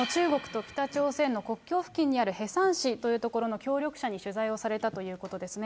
その中国と北朝鮮の国境付近にあるヘサン市という所の協力者に取材をされたということですね。